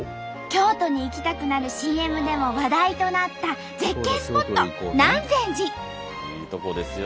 京都に行きたくなるＣＭでも話題となった絶景スポット「南禅寺」。